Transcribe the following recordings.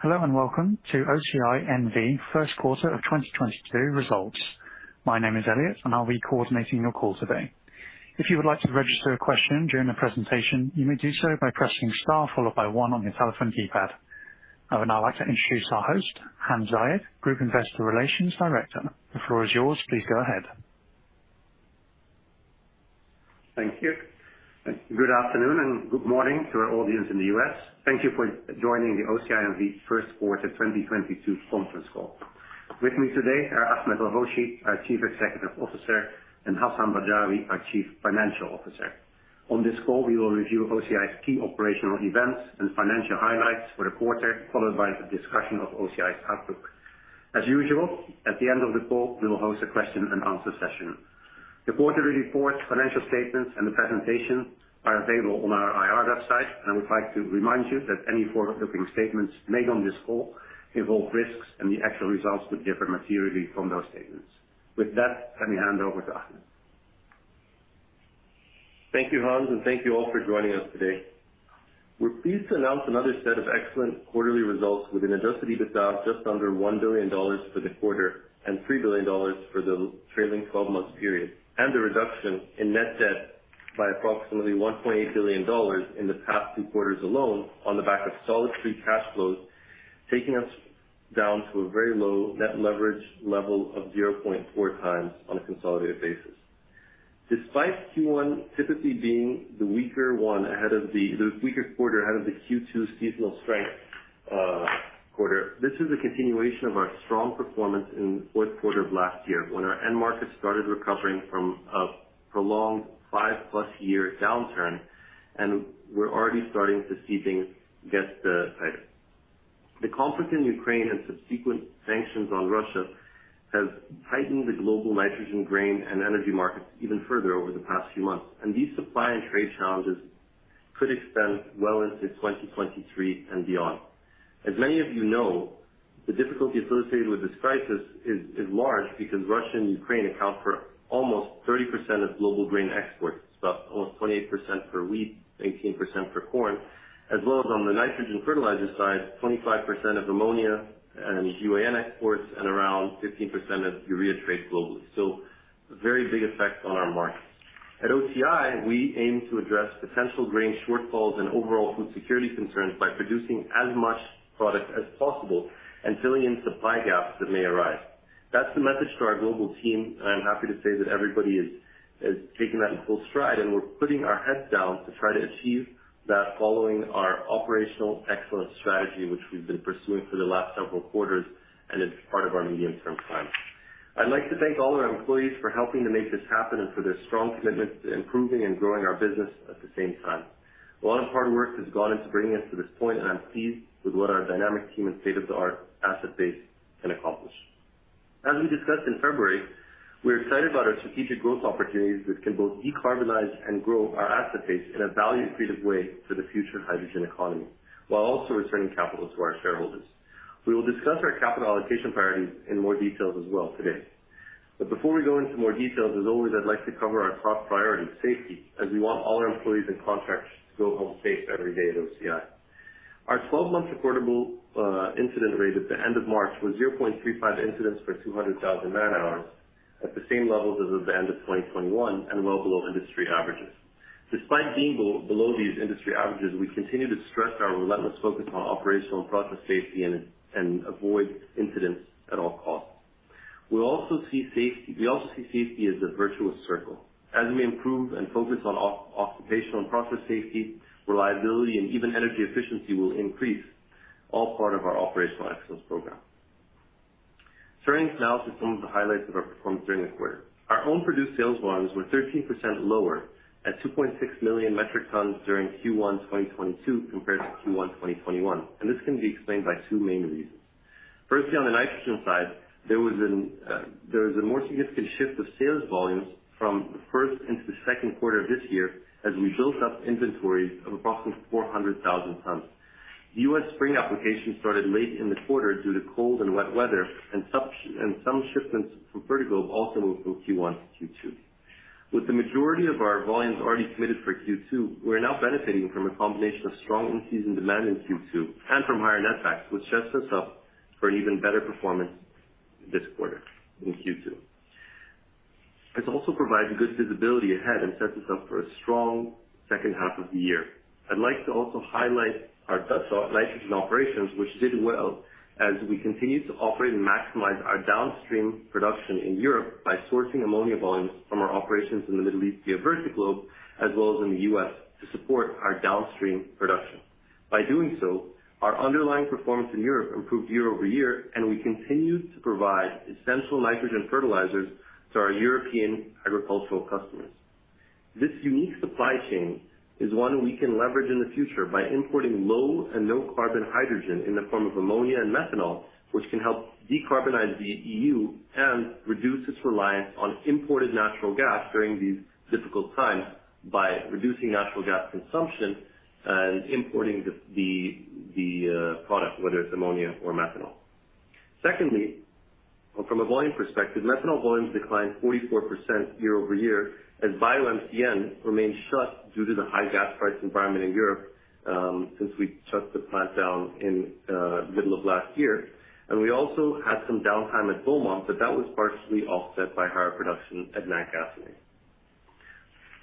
Hello, and welcome to OCI N.V. First Quarter of 2022 Results. My name is Elliot, and I'll be coordinating your call today. If you would like to register a question during the presentation, you may do so by pressing star followed by one on your telephone keypad. I would now like to introduce our host, Hans Zayed, Group Investor Relations Director. The floor is yours. Please go ahead. Thank you. Good afternoon, and good morning to our audience in the US. Thank you for joining the OCI N.V. first quarter 2022 conference call. With me today are Ahmed El-Hoshy, our Chief Executive Officer, and Hassan Badrawi, our Chief Financial Officer. On this call, we will review OCI's key operational events and financial highlights for the quarter, followed by the discussion of OCI's outlook. As usual, at the end of the call, we will host a question-and-answer session. The quarterly report, financial statements, and the presentation are available on our IR website. I would like to remind you that any forward-looking statements made on this call involve risks, and the actual results could differ materially from those statements. With that, let me hand over to Ahmed. Thank you, Hans, and thank you all for joining us today. We're pleased to announce another set of excellent quarterly results with an adjusted EBITDA of just under $1 billion for the quarter and $3 billion for the trailing twelve-month period, and a reduction in net debt by approximately $1.8 billion in the past two quarters alone on the back of solid free cash flows, taking us down to a very low net leverage level of 0.4x on a consolidated basis. Despite Q1 typically being the weaker quarter out of the Q2 seasonal strength, quarter, this is a continuation of our strong performance in fourth quarter of last year when our end market started recovering from a prolonged five plus year downturn, and we're already starting to see things get tighter. The conflict in Ukraine and subsequent sanctions on Russia has heightened the global nitrogen grain and energy markets even further over the past few months, and these supply and trade challenges could extend well into 2023 and beyond. As many of you know, the difficulty associated with this crisis is large because Russia and Ukraine account for almost 30% of global grain exports. About 28% for wheat, 18% for corn, as well as on the nitrogen fertilizer side, 25% of ammonia and UAN exports and around 15% of urea trade globally. Very big effect on our markets. At OCI, we aim to address potential grain shortfalls and overall food security concerns by producing as much product as possible and filling in supply gaps that may arise. That's the message to our global team, and I'm happy to say that everybody is taking that in full stride, and we're putting our heads down to try to achieve that following our operational excellence strategy, which we've been pursuing for the last several quarters, and it's part of our medium-term plan. I'd like to thank all of our employees for helping to make this happen and for their strong commitment to improving and growing our business at the same time. A lot of hard work has gone into bringing us to this point, and I'm pleased with what our dynamic team and state-of-the-art asset base can accomplish. As we discussed in February, we're excited about our strategic growth opportunities that can both decarbonize and grow our asset base in a value-creating way for the future hydrogen economy, while also returning capital to our shareholders. We will discuss our capital allocation priorities in more details as well today. Before we go into more details, as always, I'd like to cover our top priority, safety, as we want all our employees and contractors to go home safe every day at OCI. Our twelve-month reportable incident rate at the end of March was 0.35 incidents per 200,000 man-hours, at the same levels as of the end of 2021 and well below industry averages. Despite being below these industry averages, we continue to stress our relentless focus on operational and process safety and avoid incidents at all costs. We also see safety as a virtuous circle. As we improve and focus on occupational and process safety, reliability, and even energy efficiency will increase, all part of our operational excellence program. Turning now to some of the highlights of our performance during the quarter. Our own produced sales volumes were 13% lower at 2.6 million metric tons during Q1 2022 compared to Q1 2021. This can be explained by two main reasons. Firstly, on the nitrogen side, there was a more significant shift of sales volumes from the first into the second quarter of this year as we built up inventories of approximately 400,000 tons. The US spring application started late in the quarter due to cold and wet weather and some shipments from Fertiglobe also moved from Q1 to Q2. With the majority of our volumes already committed for Q2, we're now benefiting from a combination of strong in-season demand in Q2 and from higher net backs, which sets us up for an even better performance this quarter in Q2. This also provides good visibility ahead and sets us up for a strong second half of the year. I'd like to also highlight our Dutch nitrogen operations, which did well as we continue to operate and maximize our downstream production in Europe by sourcing ammonia volumes from our operations in the Middle East via Fertiglobe as well as in the US to support our downstream production. By doing so, our underlying performance in Europe improved year-over-year, and we continued to provide essential nitrogen fertilizers to our European agricultural customers. This unique supply chain is one we can leverage in the future by importing low and no carbon hydrogen in the form of ammonia and methanol, which can help decarbonize the EU and reduce its reliance on imported natural gas during these difficult times by reducing natural gas consumption and importing the product, whether it's ammonia or methanol. Secondly, from a volume perspective, methanol volumes declined 44% year-over-year as BioMCN remained shut due to the high gas price environment in Europe, since we shut the plant down in middle of last year. We also had some downtime at Beaumont, but that was partially offset by higher production at Natgasoline.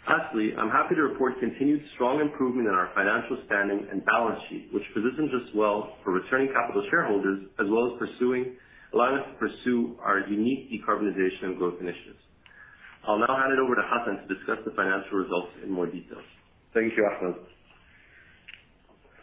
Lastly, I'm happy to report continued strong improvement in our financial standing and balance sheet, which positions us well for returning capital to shareholders, as well as pursuing. allowing us to pursue our unique decarbonization growth initiatives. I'll now hand it over to Hassan to discuss the financial results in more details. Thank you, Ahmed.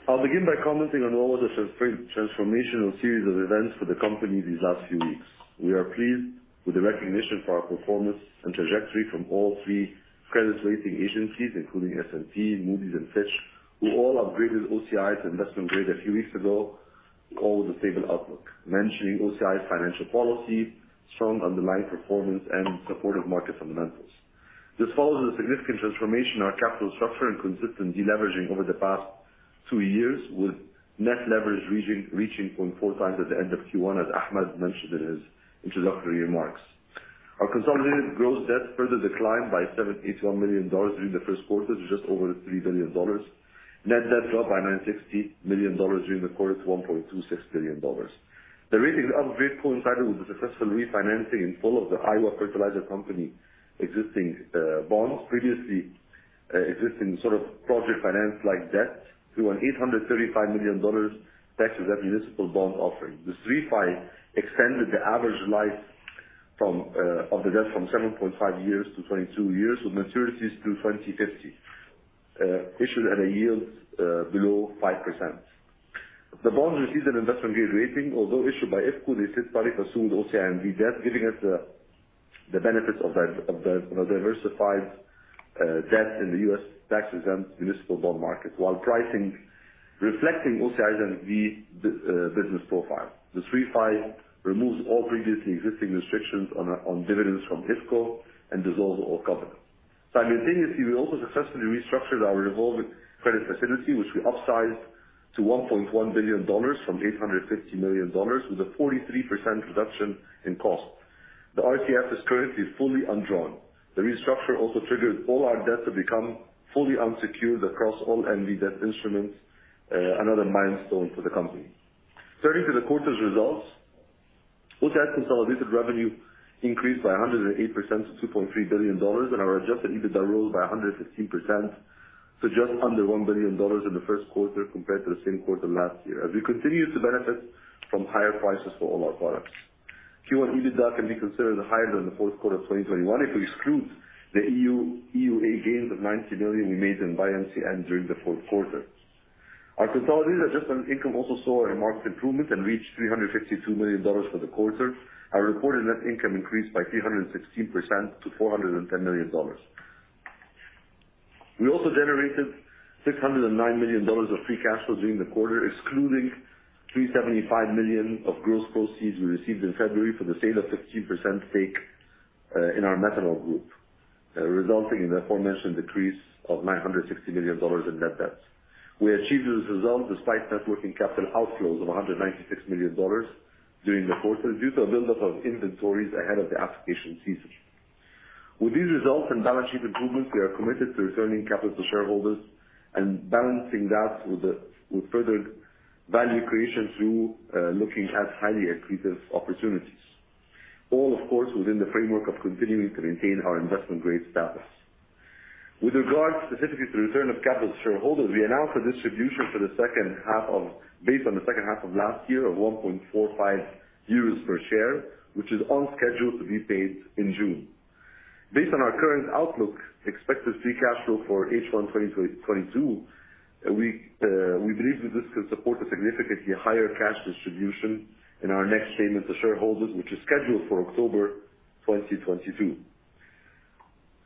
I'll begin by commenting on what was a transformational series of events for the company these last few weeks. We are pleased with the recognition for our performance and trajectory from all three credit rating agencies, including S&P, Moody's and Fitch, who all upgraded OCI to investment grade a few weeks ago, all with a stable outlook, mentioning OCI's financial policy, strong underlying performance and supportive market fundamentals. This follows a significant transformation in our capital structure and consistent deleveraging over the past two years, with net leverage reaching 0.4x at the end of Q1, as Ahmed mentioned in his introductory remarks. Our consolidated gross debt further declined by $781 million during the first quarter to just over $3 billion. Net debt dropped by $960 million during the quarter to $1.26 billion. The ratings upgrade coincided with the successful refinancing in full of the Iowa Fertilizer Company existing bonds, previously existing sort of project finance-like debt to a $835 million tax-exempt municipal bond offering. This refi extended the average life of the debt from 7.5 years to 22 years, with maturities through 2050, issued at a yield below 5%. The bonds received an investment grade rating. Although issued by IFCo, they sit fully upstream of OCI N.V. debt, giving us the benefits of the, you know, diversified debt in the U.S. tax-exempt municipal bond market, while pricing reflecting OCI N.V. business profile. This refi removes all previously existing restrictions on dividends from IFCo and dissolves all covenants. Simultaneously, we also successfully restructured our revolving credit facility, which we upsized to $1.1 billion from $850 million, with a 43% reduction in cost. The RCF is currently fully undrawn. The restructure also triggered all our debt to become fully unsecured across all NV debt instruments, another milestone for the company. Turning to the quarter's results. OCI's consolidated revenue increased by 108% to $2.3 billion, and our adjusted EBITDA rose by 115% to just under $1 billion in the first quarter compared to the same quarter last year, as we continue to benefit from higher prices for all our products. Q1 EBITDA can be considered higher than the fourth quarter of 2021 if we exclude the EUA gains of $90 million we made in BioMCN during the fourth quarter. Our consolidated adjusted income also saw a marked improvement and reached $352 million for the quarter. Our reported net income increased by 316% to $410 million. We also generated $609 million of free cash flow during the quarter, excluding $375 million of gross proceeds we received in February for the sale of 15% stake in our methanol group, resulting in the aforementioned decrease of $960 million in net debt. We achieved this result despite net working capital outflows of $196 million during the quarter due to a buildup of inventories ahead of the application season. With these results and balance sheet improvements, we are committed to returning capital to shareholders and balancing that with further value creation through looking at highly accretive opportunities. All, of course, within the framework of continuing to maintain our investment grade status. With regard specifically to return of capital to shareholders, we announced a distribution for the second half based on the second half of last year of 1.45 euros per share, which is on schedule to be paid in June. Based on our current outlook, expected free cash flow for H1 2022, we believe that this could support a significantly higher cash distribution in our next payment to shareholders, which is scheduled for October 2022.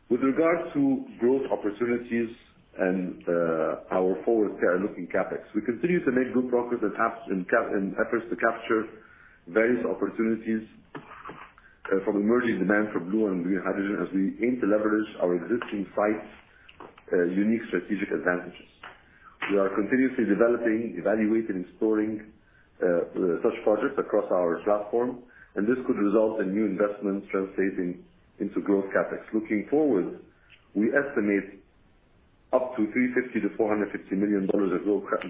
With regards to growth opportunities and our forward-looking CapEx, we continue to make good progress in efforts to capture various opportunities from emerging demand for blue and green hydrogen as we aim to leverage our existing sites' unique strategic advantages. We are continuously developing, evaluating, exploring such projects across our platform, and this could result in new investments translating into growth CapEx. Looking forward, we estimate up to $350million-$450 million of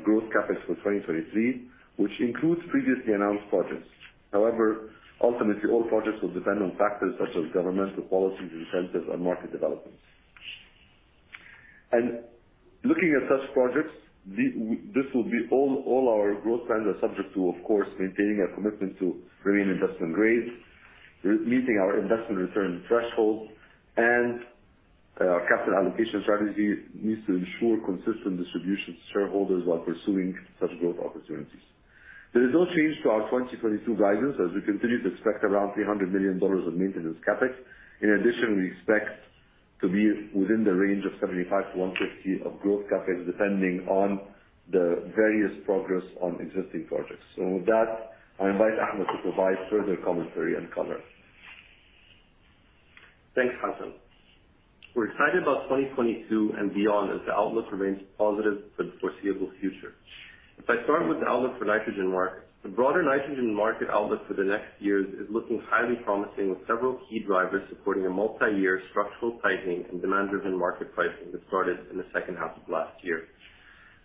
growth CapEx for 2023, which includes previously announced projects. However, ultimately, all projects will depend on factors such as governmental policies, incentives, and market developments. Looking at such projects, this will be all our growth plans are subject to, of course, maintaining our commitment to remain investment grade, re-meeting our investment return threshold, and our capital allocation strategy needs to ensure consistent distribution to shareholders while pursuing such growth opportunities. There is no change to our 2022 guidance as we continue to expect around $300 million of maintenance CapEx. In addition, we expect to be within the range of $75 million-$150 million of growth CapEx, depending on the various progress on existing projects. With that, I invite Ahmed to provide further commentary and color. Thanks, Hassan. We're excited about 2022 and beyond as the outlook remains positive for the foreseeable future. If I start with the outlook for nitrogen markets, the broader nitrogen market outlook for the next years is looking highly promising, with several key drivers supporting a multiyear structural tightening and demand-driven market pricing that started in the second half of last year.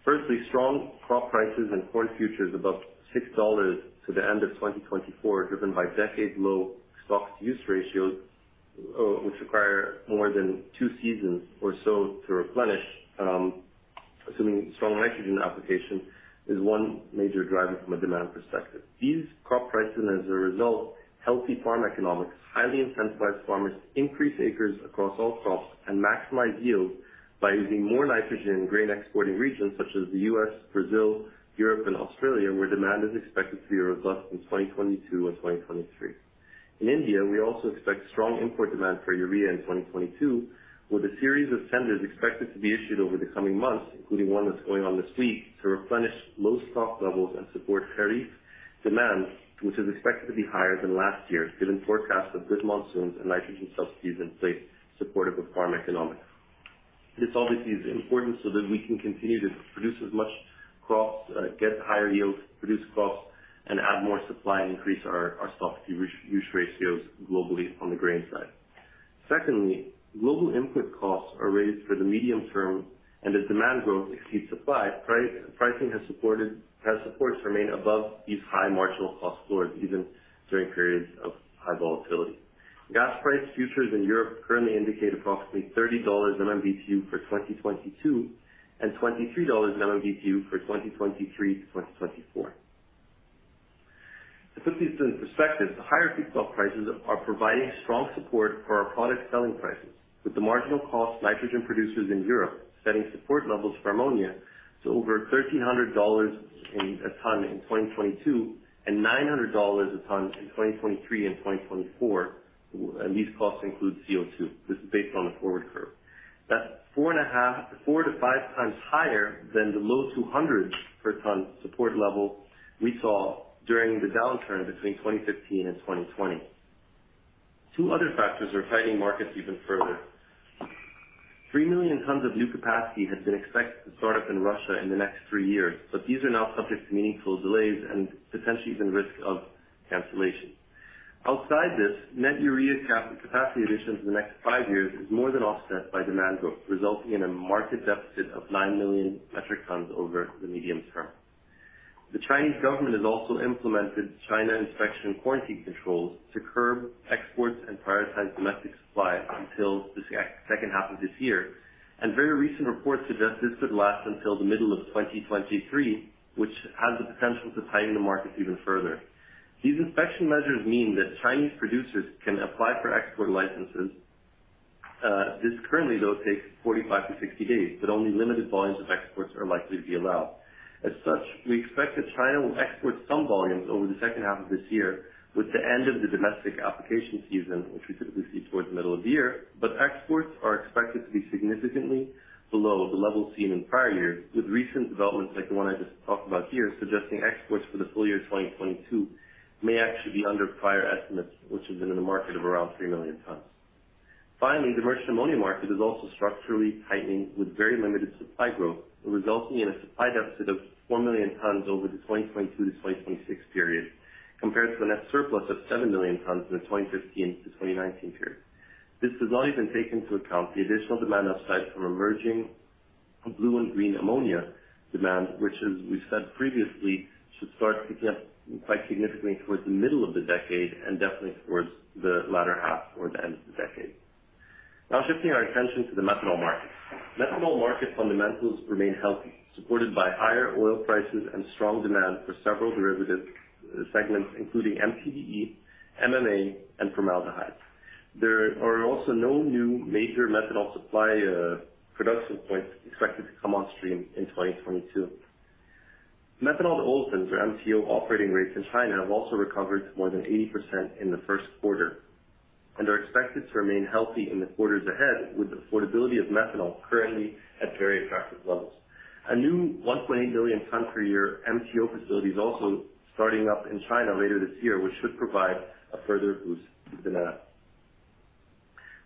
Firstly, strong crop prices and corn futures above $6 to the end of 2024, driven by decade-low stocks-to-use ratios, which require more than 2 seasons or so to replenish, assuming strong nitrogen application is one major driver from a demand perspective. These crop prices, as a result, healthy farm economics, highly incentivized farmers increase acres across all crops and maximize yield by using more nitrogen in grain exporting regions such as the U.S., Brazil, Europe and Australia, where demand is expected to be robust in 2022 and 2023. In India, we also expect strong import demand for urea in 2022, with a series of tenders expected to be issued over the coming months, including one that's going on this week, to replenish low stock levels and support kharif demand, which is expected to be higher than last year, given forecasts of good monsoons and nitrogen subsidies in place supportive of farm economics. This obviously is important so that we can continue to produce as much crops, get higher yields, reduce costs, and add more supply and increase our stock-to-use ratios globally on the grain side. Secondly, global input costs are raised for the medium term and as demand growth exceeds supply, pricing supports remain above these high marginal cost floors even during periods of high volatility. Gas price futures in Europe currently indicate approximately $30/MMBtu for 2022, and $23/MMBtu for 2023-2024. To put this into perspective, the higher feedstock prices are providing strong support for our product selling prices, with the marginal cost nitrogen producers in Europe setting support levels for ammonia to over $1,300 per ton in 2022, and $900 per ton in 2023 and 2024. These costs include CO2. This is based on the forward curve. That's 4x-5x higher than the low $200 per ton support level we saw during the downturn between 2015 and 2020. Two other factors are tightening markets even further. 3 million tons of new capacity has been expected to start up in Russia in the next three years, but these are now subject to meaningful delays and potentially even risk of cancellation. Outside this, net urea capacity additions in the next five years is more than offset by demand growth, resulting in a market deficit of 9 million metric tons over the medium term. The Chinese government has also implemented China Inspection and Quarantine controls to curb exports and prioritize domestic supply until the second half of this year. Very recent reports suggest this could last until the middle of 2023, which has the potential to tighten the markets even further. These inspection measures mean that Chinese producers can apply for export licenses. This currently though takes 45-60 days, but only limited volumes of exports are likely to be allowed. As such, we expect that China will export some volumes over the second half of this year with the end of the domestic application season, which we typically see towards the middle of the year. Exports are expected to be significantly below the levels seen in prior years, with recent developments like the one I just talked about here suggesting exports for the full year 2022 may actually be under prior estimates, which have been in the market of around 3 million tons. Finally, the merchant ammonia market is also structurally tightening, with very limited supply growth resulting in a supply deficit of 4 million tons over the 2022-2026 period, compared to the net surplus of 7 million tons in the 2015-2019 period. This does not even take into account the additional demand upside from emerging blue and green ammonia demand, which as we've said previously, should start to pick up quite significantly towards the middle of the decade and definitely towards the latter half or the end of the decade. Now shifting our attention to the methanol market. Methanol market fundamentals remain healthy, supported by higher oil prices and strong demand for several derivative segments including MTBE, MMA and formaldehyde. There are also no new major methanol supply production points expected to come on stream in 2022. Methanol to olefins, or MTO operating rates in China have also recovered to more than 80% in the first quarter and are expected to remain healthy in the quarters ahead, with the affordability of methanol currently at very attractive levels. A new 1.8 million ton per year MTO facility is also starting up in China later this year, which should provide a further boost to demand.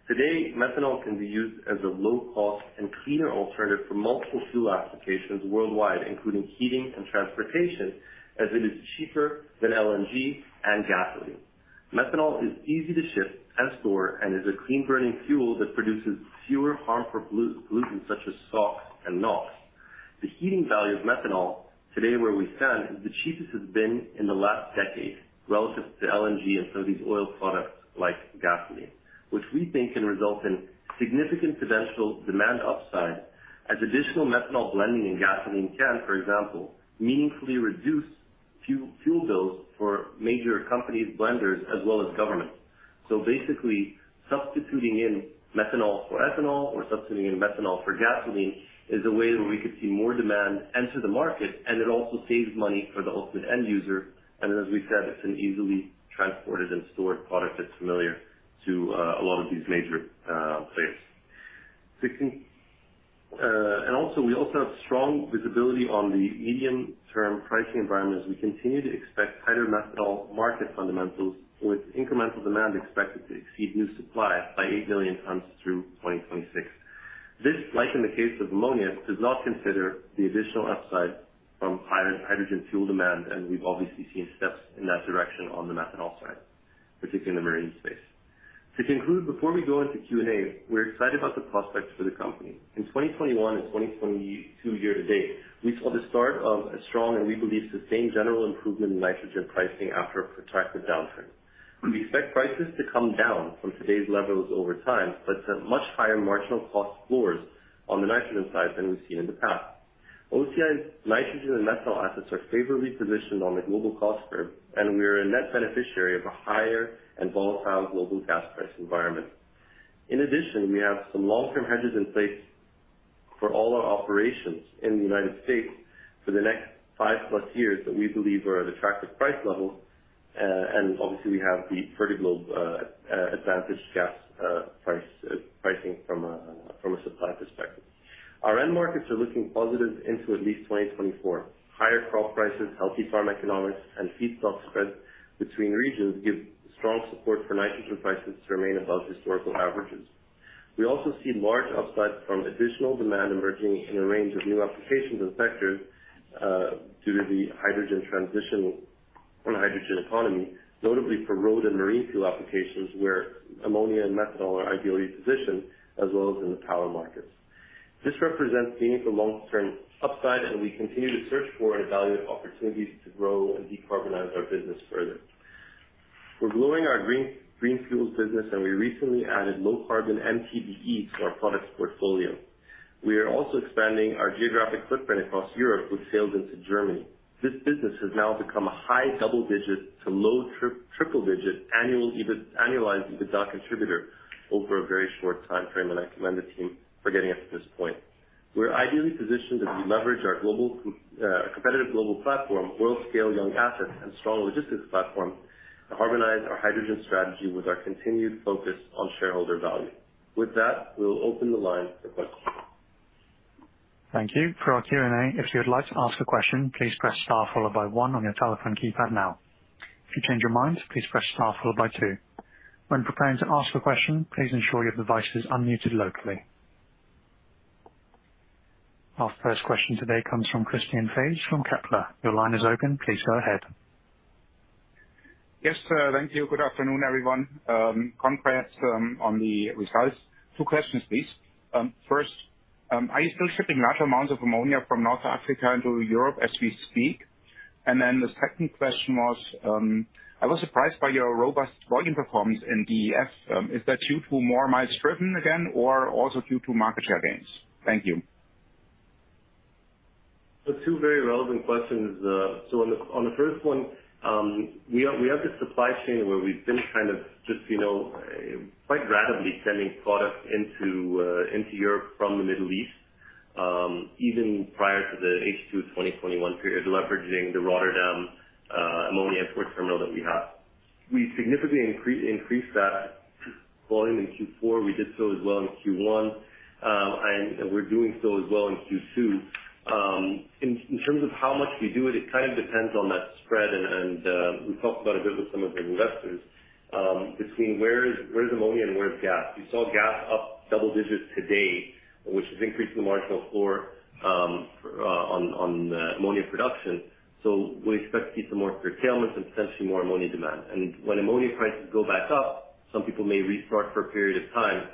Today, methanol can be used as a low cost and cleaner alternative for multiple fuel applications worldwide, including heating and transportation, as it is cheaper than LNG and gasoline. Methanol is easy to ship and store and is a clean burning fuel that produces fewer harmful pollutants such as SOx and NOx. The heating value of methanol today where we stand is the cheapest it's been in the last decade relative to LNG and some of these oil products like gasoline. Which we think can result in significant potential demand upside as additional methanol blending in gasoline can, for example, meaningfully reduce fuel bills for major companies, blenders, as well as governments. Basically substituting in methanol for ethanol or substituting in methanol for gasoline is a way where we could see more demand enter the market and it also saves money for the ultimate end user. As we've said, it's an easily transported and stored product that's familiar to a lot of these major players. Also, we also have strong visibility on the medium-term pricing environment as we continue to expect tighter methanol market fundamentals with incremental demand expected to exceed new supply by 8 million tons through 2026. This, like in the case of ammonia, does not consider the additional upside from hydrogen fuel demand, and we've obviously seen steps in that direction on the methanol side, particularly in the marine space. To conclude, before we go into Q&A, we're excited about the prospects for the company. In 2021 and 2022 year to date, we saw the start of a strong and we believe sustained general improvement in nitrogen pricing after a protracted downturn. We expect prices to come down from today's levels over time, but to much higher marginal cost floors on the nitrogen side than we've seen in the past. OCI's nitrogen and methanol assets are favorably positioned on the global cost curve, and we are a net beneficiary of a higher and volatile global gas price environment. In addition, we have some long-term hedges in place for all our operations in the United States for the next five plus years that we believe are at attractive price levels. Obviously we have the Fertiglobe advantaged gas pricing from a supply perspective. Our end markets are looking positive into at least 2024. Higher crop prices, healthy farm economics, and feedstock spreads between regions give strong support for nitrogen prices to remain above historical averages. We also see large upside from additional demand emerging in a range of new applications and sectors, due to the hydrogen transition on a hydrogen economy, notably for road and marine fuel applications where ammonia and methanol are ideally positioned, as well as in the power markets. This represents meaningful long-term upside, and we continue to search for and evaluate opportunities to grow and decarbonize our business further. We're growing our green fuels business, and we recently added green MTBE to our products portfolio. We are also expanding our geographic footprint across Europe with sales into Germany. This business has now become a high double-digit to low triple-digit annual EBIT, annualized EBITDA contributor over a very short timeframe, and I commend the team for getting us to this point. We're ideally positioned as we leverage our global competitive global platform, world-scale young assets and strong logistics platform to harmonize our hydrogen strategy with our continued focus on shareholder value. With that, we'll open the line for questions. Thank you. For our Q&A, if you would like to ask a question, please press star followed by one on your telephone keypad now. If you change your mind, please press star followed by two. When preparing to ask a question, please ensure your device is unmuted locally. Our first question today comes from Christian Faitz from Kepler. Your line is open. Please go ahead. Yes, sir. Thank you. Good afternoon, everyone. Congrats on the results. Two questions please. First, are you still shipping large amounts of ammonia from North Africa into Europe as we speak? The second question was, I was surprised by your robust volume performance in DEF. Is that due to more miles driven again or also due to market share gains? Thank you. Two very relevant questions. On the first one, we have this supply chain where we've been kind of just, you know, quite rapidly sending product into into Europe from the Middle East, even prior to the H2 2021 period, leveraging the Rotterdam ammonia export terminal that we have. We significantly increased that volume in Q4. We did so as well in Q1. We're doing so as well in Q2. In terms of how much we do it kind of depends on that spread and, we talked about it a bit with some of the investors, between where is ammonia and where is gas. You saw gas up double digits to date, which is increasing the marginal for on the ammonia production. We expect to see some more curtailments and potentially more ammonia demand. When ammonia prices go back up, some people may restart for a period of time.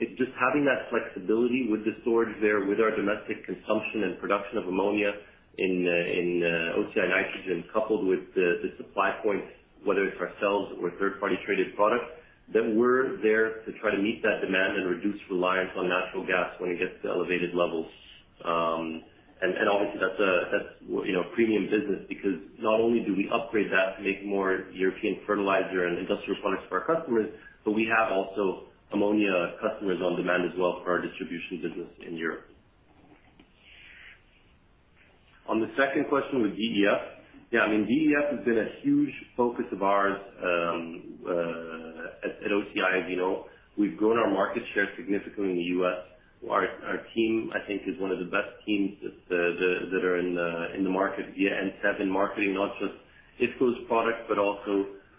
It's just having that flexibility with the storage there, with our domestic consumption and production of ammonia in OCI Nitrogen, coupled with the supply point, whether it's ourselves or third-party traded product, that we're there to try to meet that demand and reduce reliance on natural gas when it gets to elevated levels. Obviously that's a you know premium business because not only do we upgrade that to make more European fertilizer and industrial products for our customers, but we have also ammonia customers on demand as well for our distribution business in Europe. On the second question with DEF. Yeah, I mean, DEF has been a huge focus of ours at OCI, as you know. We've grown our market share significantly in the U.S. Our team, I think, is one of the best teams that are in the market via N-7 marketing, not just IFCo's products, but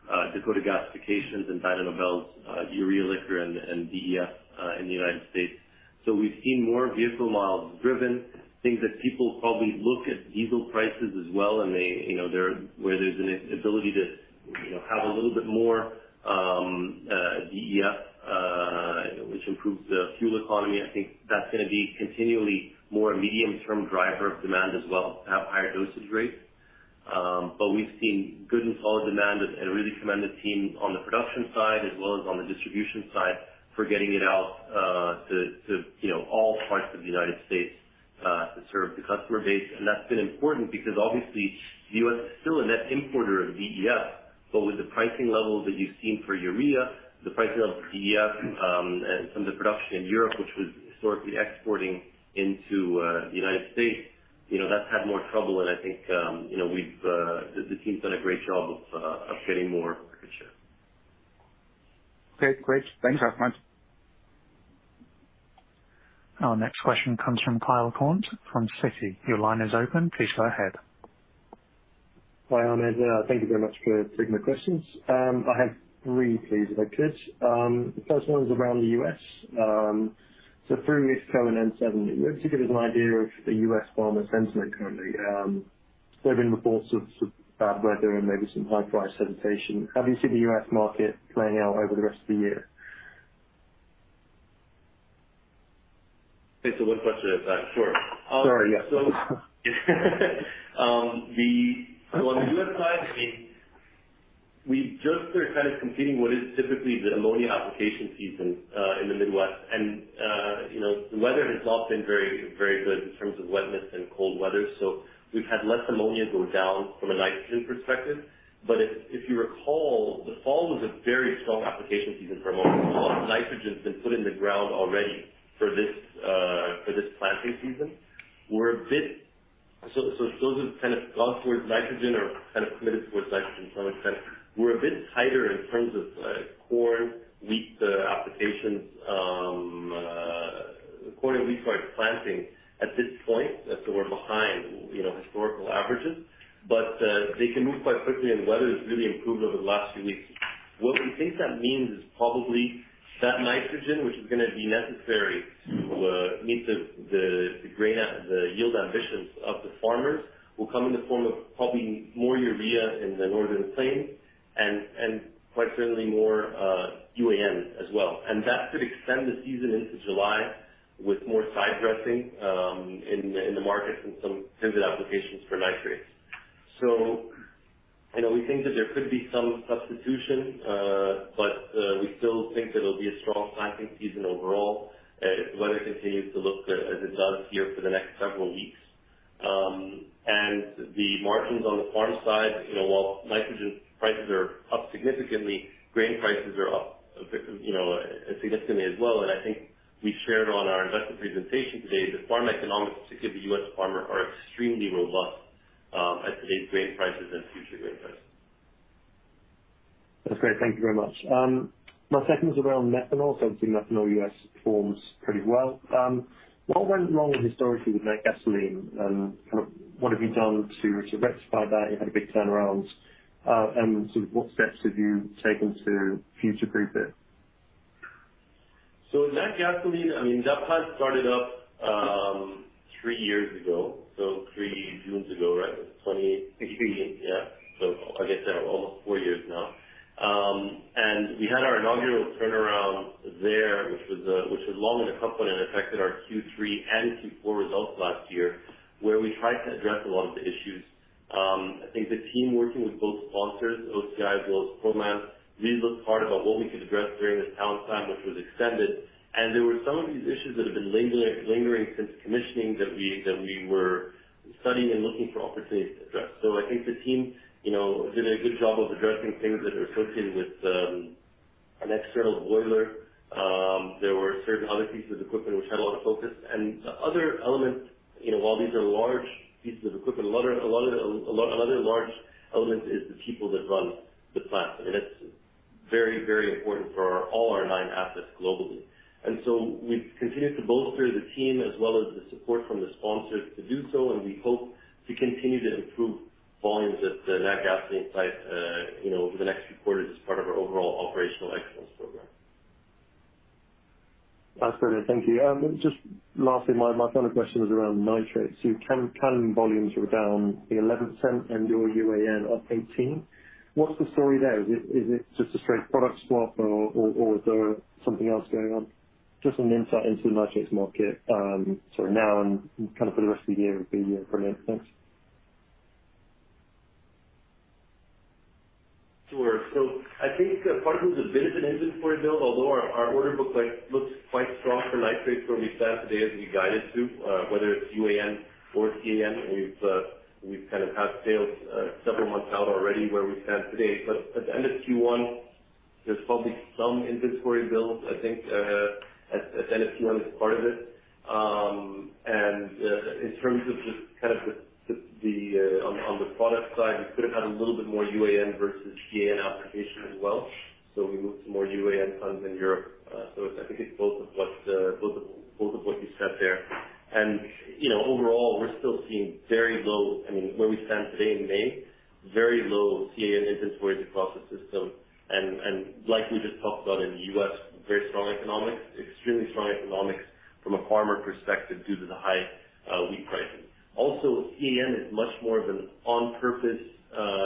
also Dakota Gasification's and Dyno Nobel's urea liquor and DEF in the United States. We've seen more vehicle miles driven, things that people probably look at diesel prices as well, and they, you know, where there's an ability to, you know, have a little bit more DEF, which improves the fuel economy. I think that's gonna be continually more a medium-term driver of demand as well to have higher dosage rates. We've seen good and solid demand and really commend the team on the production side as well as on the distribution side for getting it out to, you know, all parts of the United States to serve the customer base. That's been important because obviously the U.S. is still a net importer of DEF, but with the pricing levels that you've seen for urea, the pricing level for DEF, and some of the production in Europe, which was historically exporting into the United States, you know, that's had more trouble and I think, you know, we've the team's done a great job of getting more market share. Okay, great. Thanks so much. Our next question comes from Kyle Hong from Citi. Your line is open. Please go ahead. Hi, Ahmed. Thank you very much for taking the questions. I have three please, if I could. The first one is around the U.S. Through mid-May and N-7, maybe just give us an idea of the U.S. farmer sentiment currently. There have been reports of bad weather and maybe some high price hesitation. How do you see the U.S. market playing out over the rest of the year? Okay. One question is that. Sure. Sorry, yeah. Um, the- Okay. On the US side, I mean, we just are kind of completing what is typically the ammonia application season in the Midwest. You know, the weather has not been very good in terms of wetness and cold weather. We've had less ammonia go down from a nitrogen perspective. But if you recall, the fall was a very strong application season for ammonia. A lot of nitrogen's been put in the ground already for this planting season. Those are the kind of thoughts where nitrogen are kind of committed towards nitrogen to some extent. We're a bit tighter in terms of corn, wheat, applications. Corn and wheat are planting at this point, so we're behind, you know, historical averages, but they can move quite quickly, and weather has really improved over the last few weeks. What we think that means is probably that nitrogen, which is gonna be necessary to meet the yield ambitions of the farmers, will come in the form of probably more urea in the Northern Plains and quite certainly more UAN as well. That could extend the season into July with more side dressing in the markets and some pivot applications for nitrates. You know, we think that there could be some substitution, but we still think that it'll be a strong planting season overall, if the weather continues to look as it does here for the next several weeks. The margins on the farm side, you know, while nitrogen prices are up significantly, grain prices are up, you know, significantly as well. I think we shared on our investor presentation today that farm economics, particularly U.S. farmer, are extremely robust at today's grain prices and future grain prices. That's great. Thank you very much. My second is around methanol. It seemed methanol US performs pretty well. What went wrong historically with Natgasoline? Kind of what have you done to rectify that? You had a big turnaround. Sort of what steps have you taken to future-proof it? Natgasoline, I mean, that plant started up three years ago, so three Junes ago, right? 2018. Six years. Yeah. I guess almost four years now. We had our inaugural turnaround there, which was long and complicated and affected our Q3 and Q4 results last year, where we tried to address a lot of the issues. I think the team working with both sponsors, OCI as well as Proman, really looked hard about what we could address during this downtime, which was extended. There were some of these issues that have been lingering since commissioning that we were studying and looking for opportunities to address. I think the team, you know, did a good job of addressing things that are associated with an external boiler. There were certain other pieces of equipment which had a lot of focus. The other element, you know, while these are large pieces of equipment, another large element is the people that run the plant. I mean, it's very important for all our nine assets globally. We've continued to bolster the team as well as the support from the sponsors to do so, and we hope to continue to improve volumes at the Natgasoline site, you know, over the next few quarters as part of our overall operational excellence program. That's brilliant. Thank you. Just lastly, my final question is around nitrates. CAN volumes were down 11% and your UAN up 18%. What's the story there? Is it just a straight product swap or is there something else going on? Just an insight into the nitrates market, sort of now and kind of for the rest of the year would be brilliant. Thanks. Sure. I think part of it was a bit of an inventory build, although our order book like looks quite strong for nitrates where we stand today as we guided to, whether it's UAN or CAN. We've kind of had sales several months out already where we stand today. At the end of Q1, there's probably some inventory build, I think, at end of Q1 is part of it. In terms of just kind of the on the product side, we could have had a little bit more UAN versus CAN application as well. We moved to more UAN tons in Europe. I think it's both of what both of what you said there. You know, overall, we're still seeing very low, I mean, where we stand today in May, very low CAN inventories across the system. Like we just talked about in the U.S., very strong economics, extremely strong economics from a farmer perspective due to the high wheat prices. Also, CAN is much more of an on-purpose,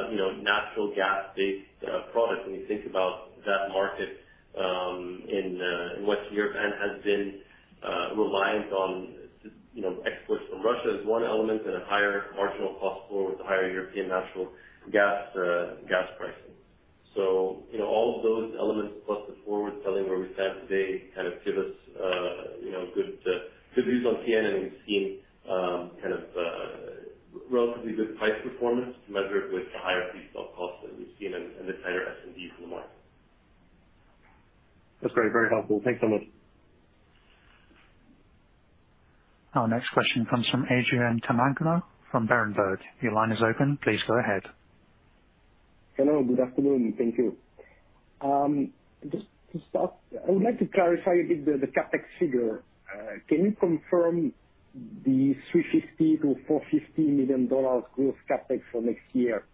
you know, natural gas-based product when you think about that market in Western Europe and has been reliant on, you know, exports from Russia as one element and a higher marginal cost for higher European natural gas gas pricing. You know, all of those elements plus the forward selling where we stand today kind of give us, you know, good views on CAN, and we've seen, kind of, relatively good price performance measured with the higher diesel costs that we've seen and the tighter S&Ds in the market. That's great. Very helpful. Thanks so much. Our next question comes from Adrien Tamagno from Berenberg. Your line is open. Please go ahead. Hello, good afternoon. Thank you. Just to start, I would like to clarify a bit the CapEx figure. Can you confirm the $350 million-$450 million growth CapEx for next year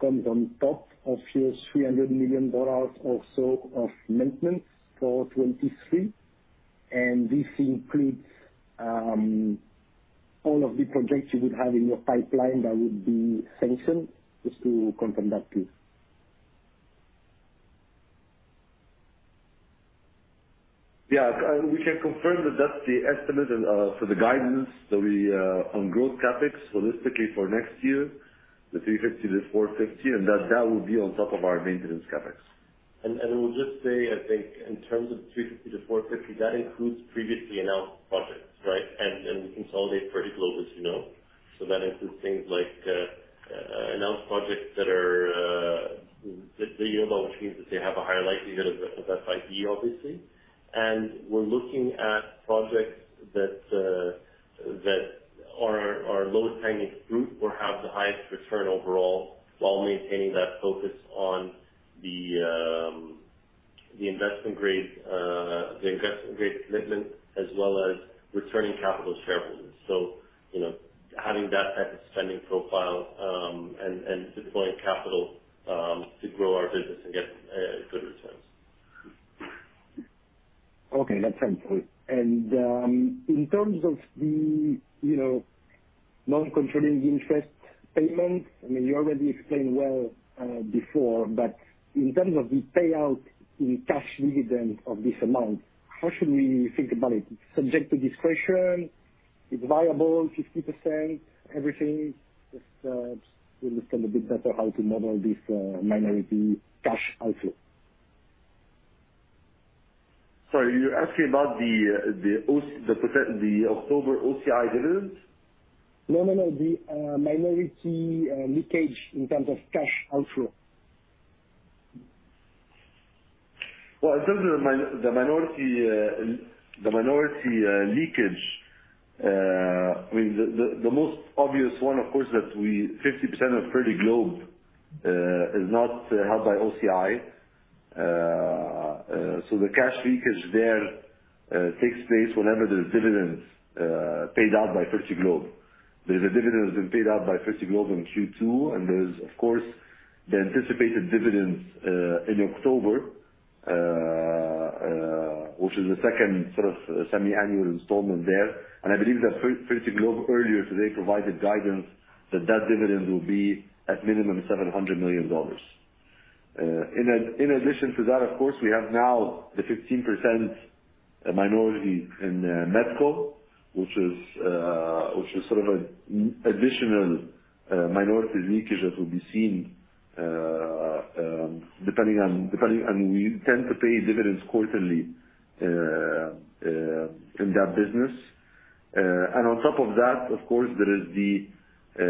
comes on top of your $300 million or so of maintenance for 2023, and this includes all of the projects you would have in your pipeline that would be sanctioned? Just to confirm that, please. Yeah. We can confirm that that's the estimate and for the guidance. Our growth CapEx holistically for next year, the $350-$450, and that will be on top of our maintenance CapEx. I will just say, I think in terms of $350-$450, that includes previously announced projects, right? We consolidate pretty globally, as you know. That includes things like announced projects that you know about, which means that they have a higher likelihood of FID, obviously. We're looking at projects that are low-hanging fruit or have the highest return overall, while maintaining that focus on the investment-grade commitment as well as returning capital to shareholders. You know, having that type of spending profile and deploying capital to grow our business and get good returns. Okay, that's helpful. In terms of the, you know, non-controlling interest payments, I mean, you already explained well before, but in terms of the payout in cash dividend of this amount, how should we think about it? Subject to discretion? It's viable 50%, everything? Just to understand a bit better how to model this, minority cash outflow. Sorry, you're asking about the October OCI dividends? No, no. The minority leakage in terms of cash outflow. Well, in terms of the minority leakage, I mean, the most obvious one, of course, 50% of Fertiglobe is not held by OCI. So the cash leakage there takes place whenever there's dividends paid out by Fertiglobe. There's a dividend that's been paid out by Fertiglobe in Q2, and there's of course the anticipated dividends in October, which is the second sort of semi-annual installment there. I believe that Fertiglobe earlier today provided guidance that that dividend will be at minimum $700 million. In addition to that, of course, we have now the 15% minority in OCI Methanol, which is sort of an additional minority leakage that will be seen depending on. We tend to pay dividends quarterly, in that business. On top of that, of course, there is the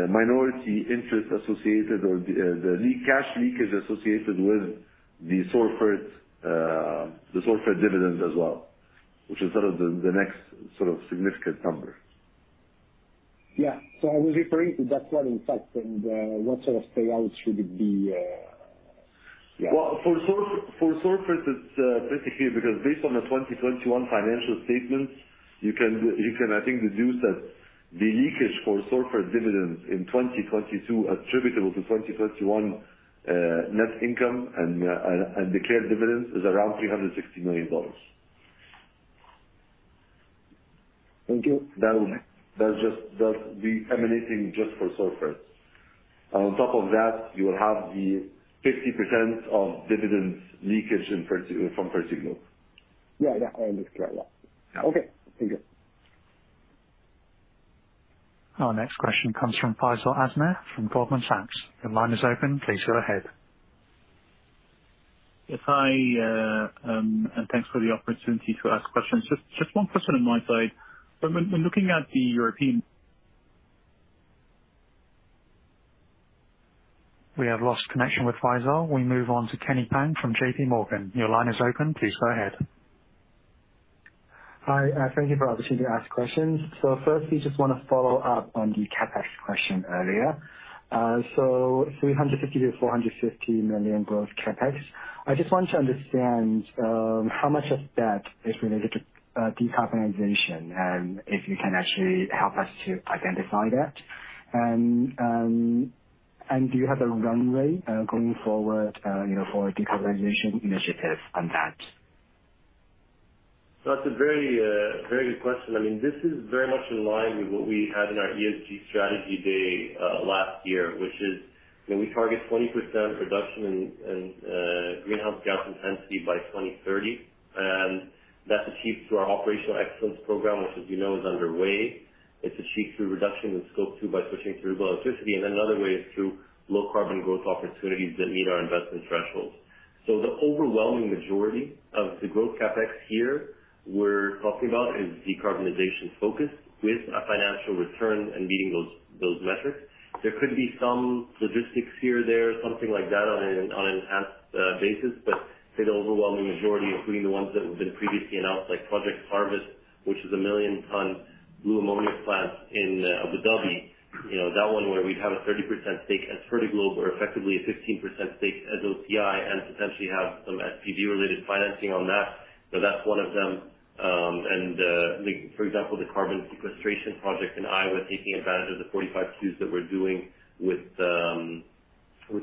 minority interest associated or the cash leakage associated with the Sorfert dividends as well, which is sort of the next sort of significant number. Yeah. I was referring to that one in fact, and what sort of payouts should it be? Yeah. Well, for Sorfert, it's basically because based on the 2021 financial statements, you can, I think, deduce that the leakage for Sorfert dividends in 2022 attributable to 2021 net income and declared dividends is around $360 million. Thank you. That's the emanation just for Sorfert. On top of that, you will have the 50% of dividends leakage in Fertiglobe from Fertiglobe. Yeah. Yeah. I understand. Yeah. Okay. Thank you. Our next question comes from Faisal Al Azmeh from Goldman Sachs. Your line is open. Please go ahead. Yes. Hi, and thanks for the opportunity to ask questions. Just one question on my side. When looking at the European- We have lost connection with Faisal. We move on to Kenny King from JPMorgan. Your line is open. Please go ahead. Hi. Thank you for the opportunity to ask questions. Firstly, just wanna follow up on the CapEx question earlier. $350 million-$450 million growth CapEx. I just want to understand, how much of that is related to, decarbonization, and if you can actually help us to identify that. Do you have a runway, going forward, you know, for decarbonization initiatives on that? That's a very good question. I mean, this is very much in line with what we had in our ESG strategy day last year, which is, you know, we target 20% reduction in greenhouse gas intensity by 2030. That's achieved through our operational excellence program, which, as you know, is underway. It's achieved through reduction in Scope 2 by switching to renewable electricity. Another way is through low carbon growth opportunities that meet our investment thresholds. The overwhelming majority of the growth CapEx here we're talking about is decarbonization focused with a financial return and meeting those metrics. There could be some logistics here or there, something like that, on an as-needed basis. I'd say the overwhelming majority, including the ones that have been previously announced, like Project Harvest, which is a 1 million-ton blue ammonia plant in Abu Dhabi. You know, that one where we'd have a 30% stake as Fertiglobe or effectively a 15% stake as OCI and potentially have some SPV related financing on that. That's one of them. For example, the carbon sequestration project in Iowa, taking advantage of the 45Q's that we're doing with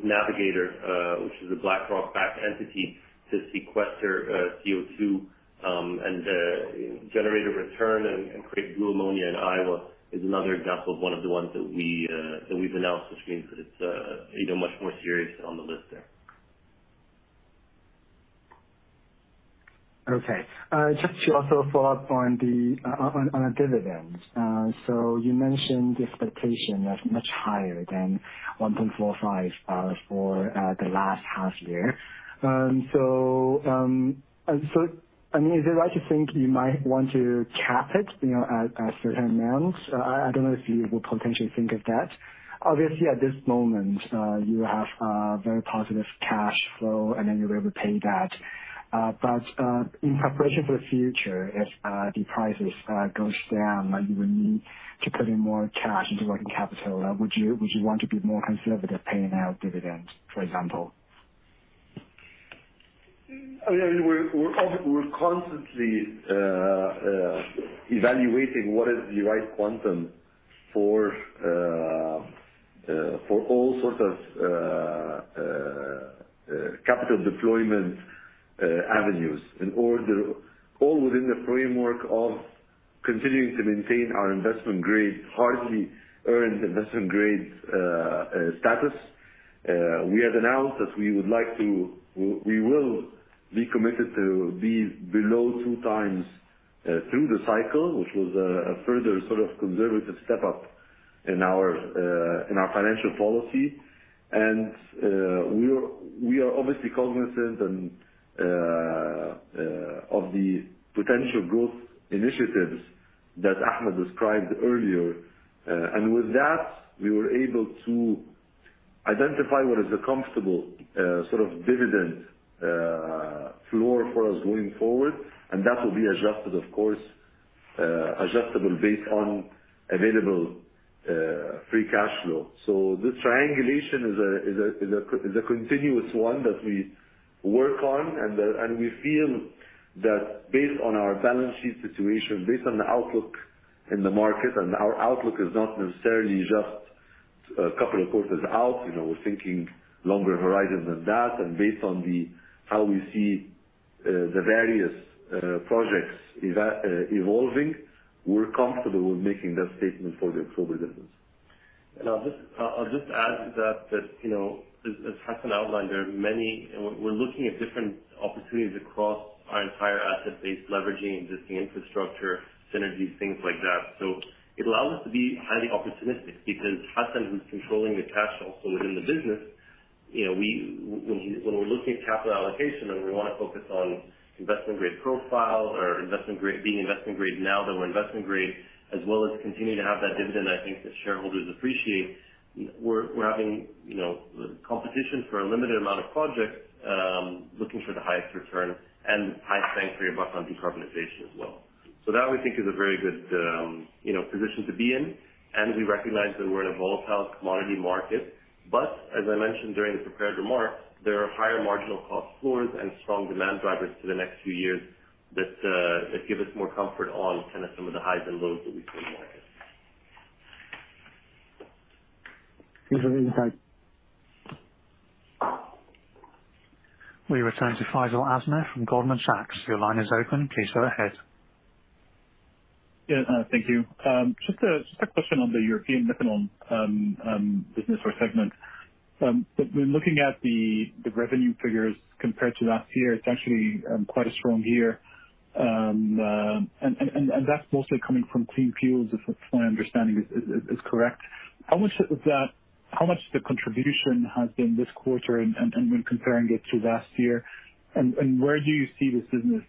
Navigator, which is a BlackRock backed entity, to sequester CO2 and generate a return and create blue ammonia in Iowa is another example of one of the ones that we've announced, which means that it's you know, much more serious on the list there. Okay. Just to also follow up on dividends. So you mentioned the expectation that's much higher than 1.45 for the last half year. So, I mean, is it right to think you might want to cap it, you know, at certain amounts? I don't know if you would potentially think of that. Obviously, at this moment, you have very positive cash flow, and then you're able to pay that. In preparation for the future, if the prices goes down, you would need to put in more cash into working capital. Would you want to be more conservative paying out dividends, for example? I mean, we're constantly evaluating what is the right quantum for all sorts of capital deployment avenues, all within the framework of continuing to maintain our hardly earned investment grade status. We have announced that we will be committed to be below 2x through the cycle, which was a further sort of conservative step up in our financial policy. We are obviously cognizant of the potential growth initiatives that Ahmed described earlier. With that, we were able to identify what is a comfortable sort of dividend floor for us going forward, and that will be adjusted, of course, adjustable based on available free cash flow. This triangulation is a continuous one that we work on. We feel that based on our balance sheet situation, based on the outlook in the market, and our outlook is not necessarily just a couple of quarters out, you know, we're thinking longer horizon than that. Based on how we see the various projects evolving, we're comfortable with making that statement for the October dividend. I'll just add to that, you know, as Hassan outlined, there are many. We're looking at different opportunities across our entire asset base, leveraging existing infrastructure, synergies, things like that. It allows us to be highly opportunistic because Hassan, who's controlling the cash also within the business, you know, when we're looking at capital allocation and we want to focus on investment grade profile or investment grade, being investment grade now that we're investment grade, as well as continuing to have that dividend I think that shareholders appreciate, we're having, you know, competition for a limited amount of projects, looking for the highest return and highest bang for your buck on decarbonization as well. That we think is a very good, you know, position to be in. We recognize that we're in a volatile commodity market. As I mentioned during the prepared remarks, there are higher marginal cost floors and strong demand drivers for the next few years that give us more comfort on kind of some of the highs and lows that we see in the market. Thanks. We return to Faisal Al Azmeh from Goldman Sachs. Your line is open. Please go ahead. Yeah. Thank you. Just a question on the European methanol business or segment. When looking at the revenue figures compared to last year, it's actually quite a strong year. That's mostly coming from clean fuels, if my understanding is correct. How much of that contribution has been this quarter and when comparing it to last year, and where do you see this business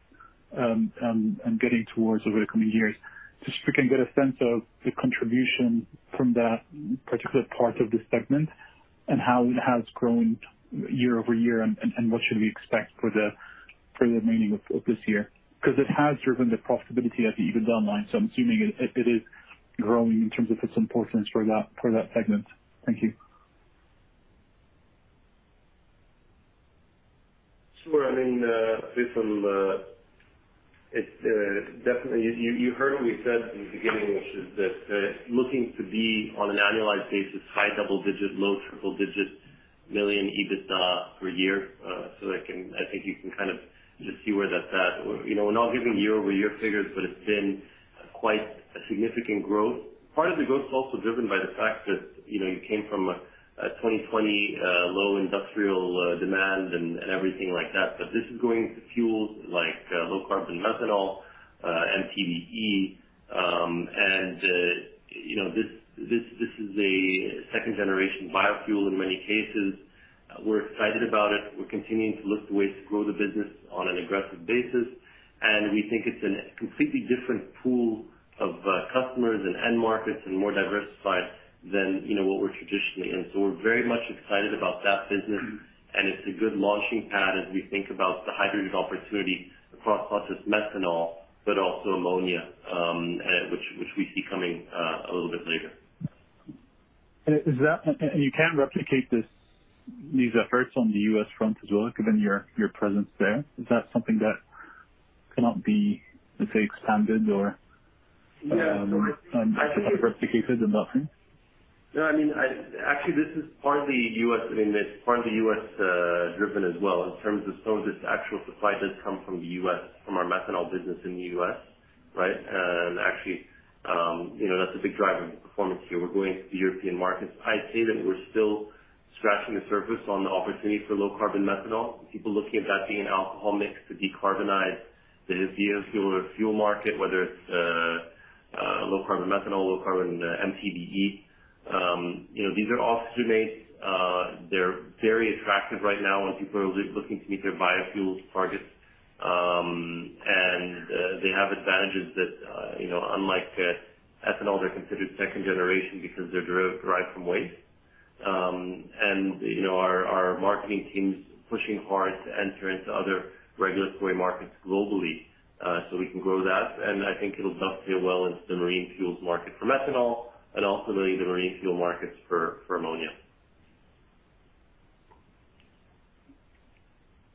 getting towards over the coming years? Just so we can get a sense of the contribution from that particular part of the segment and how it has grown year-over-year and what should we expect for the remaining of this year. It has driven the profitability at the EBITDA line, so I'm assuming it is growing in terms of its importance for that segment. Thank you. Sure. I mean, Faisal, it's definitely you heard what we said at the beginning, which is that looking to be on an annualized basis, high double-digit, low triple-digit million EBITDA per year. So I think you can kind of just see where that's at. You know, we're not giving year-over-year figures, but it's been quite a significant growth. Part of the growth is also driven by the fact that, you know, you came from a 2020 low industrial demand and everything like that. This is going into fuels like low carbon methanol, MTBE. And you know, this is a second generation biofuel in many cases. We're excited about it. We're continuing to look at the ways to grow the business on an aggressive basis. We think it's a completely different pool of customers and end markets and more diversified than, you know, what we're traditionally in. We're very much excited about that business, and it's a good launching pad as we think about the hydrogen opportunity across process methanol, but also ammonia, which we see coming a little bit later. Is that, and you can replicate this, these efforts on the U.S. front as well, given your presence there. Is that something that cannot be, let's say, expanded or. Yeah. Diversified in that sense? No, I mean, actually, this is partly U.S., I mean, it's partly U.S. driven as well in terms of some of this actual supply does come from the U.S., from our methanol business in the U.S., right? Actually, you know, that's a big driver of the performance here. We're going into the European markets. I'd say that we're still scratching the surface on the opportunity for low-carbon methanol. People looking at that being an alcohol mix to decarbonize the diesel fuel or fuel market, whether it's low-carbon methanol, low-carbon MTBE. You know, these are oxygenates. They're very attractive right now, and people are looking to meet their biofuels targets. They have advantages that, you know, unlike ethanol, they're considered second generation because they're derived from waste. You know, our marketing team's pushing hard to enter into other regulatory markets globally, so we can grow that. I think it'll dovetail well into the marine fuels market for methanol and ultimately the marine fuel markets for ammonia.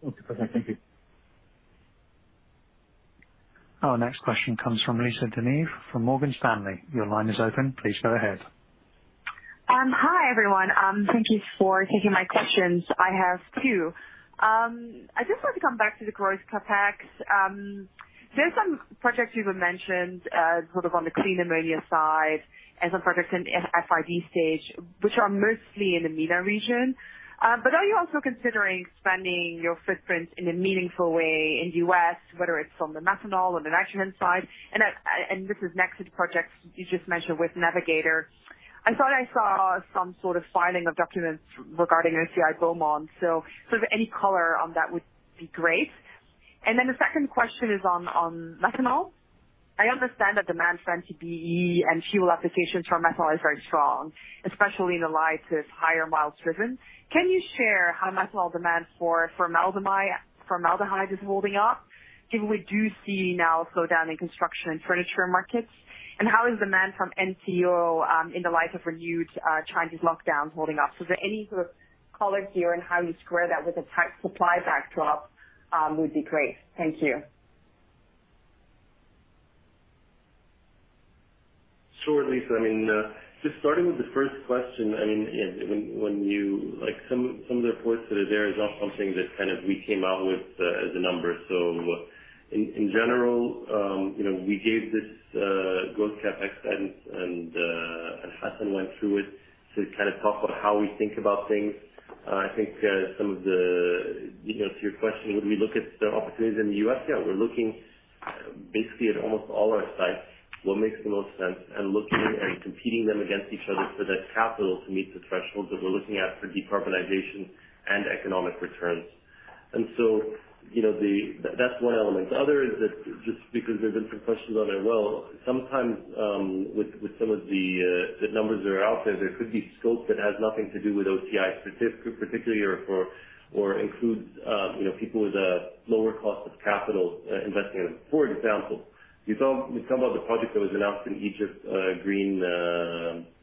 Okay. Thank you. Our next question comes from Lisa De Neve from Morgan Stanley. Your line is open. Please go ahead. Hi, everyone. Thank you for taking my questions. I have two. I just want to come back to the growth CapEx. There are some projects you have mentioned, sort of on the clean ammonia side and some projects in the FID stage, which are mostly in the MENA region. Are you also considering expanding your footprint in a meaningful way in the U.S., whether it's from the methanol or the nitrogen side? This is next to the projects you just mentioned with Navigator. I thought I saw some sort of filing of documents regarding OCI Beaumont, so sort of any color on that would be great. The second question is on methanol. I understand that demand for MTBE and fuel applications for methanol is very strong, especially in the light of higher miles driven. Can you share how methanol demand for formaldehyde is holding up, given we do see now a slowdown in construction and furniture markets? How is demand from MTO, in the light of renewed Chinese lockdowns holding up? Any sort of color here on how you square that with a tight supply backdrop, would be great. Thank you. Sure, Lisa. I mean, just starting with the first question. I mean, yeah, like, some of the reports that are there are not something that we kind of came out with as a number. In general, you know, we gave this growth CapEx guidance, and Hassan went through it to kind of talk about how we think about things. You know, to your question, when we look at the opportunities in the U.S., yeah, we're looking basically at almost all our sites, what makes the most sense, and looking and competing them against each other for that capital to meet the thresholds that we're looking at for decarbonization and economic returns. You know, that's one element. The other is that just because there's been some questions on IRR, well, sometimes, with some of the numbers that are out there could be scope that has nothing to do with OCI particularly or for, or includes, you know, people with a lower cost of capital, investing in it. For example, you talk about the project that was announced in Egypt, green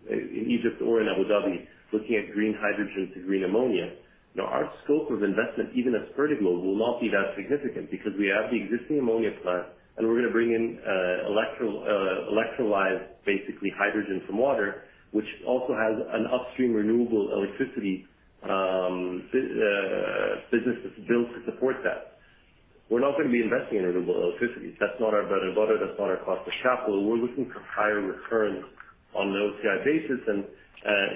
in Egypt or in Abu Dhabi, looking at green hydrogen to green ammonia. Now, our scope of investment, even as Vertimo, will not be that significant because we have the existing ammonia plant, and we're gonna bring in electrolyzed, basically, hydrogen from water, which also has an upstream renewable electricity business that's built to support that. We're not gonna be investing in renewable electricity. That's not our bread and butter. That's not our cost of capital. We're looking for higher returns on an OCI basis and,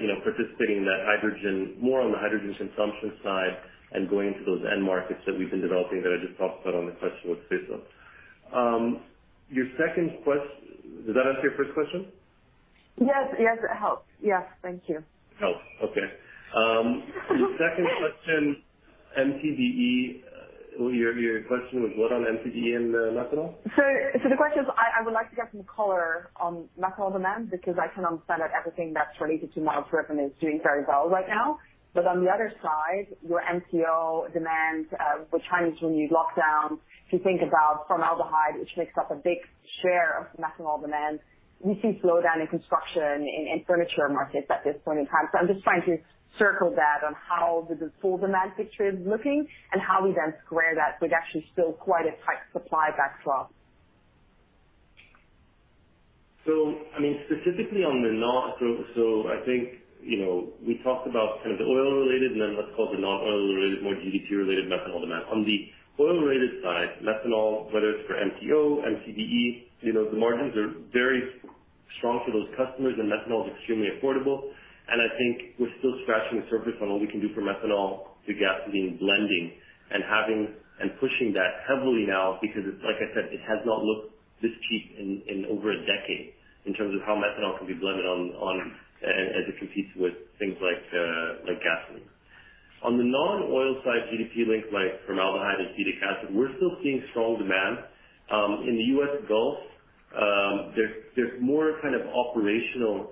you know, participating in that hydrogen, more on the hydrogen consumption side and going into those end markets that we've been developing that I just talked about on the question with Faisal. Did that answer your first question? Yes, yes, it helped. Yes, thank you. Helped. Okay. Your second question, MTBE. Your question was what on MTBE and methanol? The question is, I would like to get some color on methanol demand because I can understand that everything that's related to miles driven is doing very well right now. But on the other side, your MTO demand with Chinese renewed lockdowns, if you think about formaldehyde, which makes up a big share of methanol demand, we see slowdown in construction in furniture markets at this point in time. I'm just trying to circle that on how the full demand picture is looking and how we then square that with actually still quite a tight supply backdrop. I mean, specifically on the non-oil. I think, you know, we talked about kind of the oil related and then what's called the non-oil related, more GDP related methanol demand. On the oil related side, methanol, whether it's for MTO, MTBE, you know, the margins are very strong for those customers, and methanol is extremely affordable. I think we're still scratching the surface on what we can do for methanol to gasoline blending and pushing that heavily now because it's like I said, it has not looked this cheap in over a decade in terms of how methanol can be blended on as it competes with things like gasoline. On the non-oil side, GDP linked like formaldehyde, acetic acid, we're still seeing strong demand. In the U.S. Gulf, there's more kind of operational